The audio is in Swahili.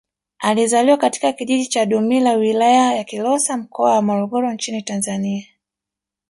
Alizaliwa katika kijiji cha Dumila Wilaya ya Kilosa Mkoa wa Morogoro nchini Tanzania